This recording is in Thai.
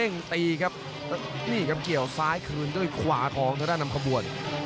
นี่กับเกี่ยวซ้ายคืนด้วยขวาของธนาคมบ่วน